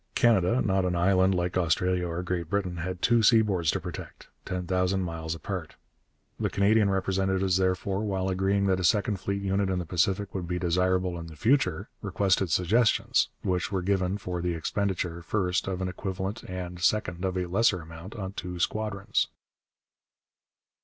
Canada, not an island like Australia or Great Britain, had two seaboards to protect, ten thousand miles apart. The Canadian representatives, therefore, while agreeing that a second fleet unit in the Pacific would be desirable in the future, requested suggestions, which were given, for the expenditure, first, of an equivalent and, second, of a lesser amount on two squadrons.